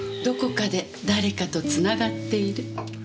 どこかで誰かとつながっている。